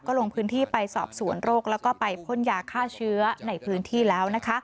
ลงพื้นที่ไปสอบสวนโรคแล้วก็ไปพ่นยาฆ่าเชื้อในพื้นที่แล้ว